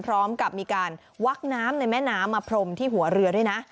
พร้อมกับมีการวักน้ำในแม่น้ำมาพรมที่หัวเรือด้วยนะ